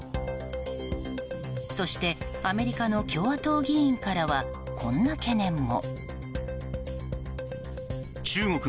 そして、アメリカの共和党議員からはこんな懸念も。